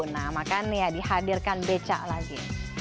nah makanya dihadirkan beca lagi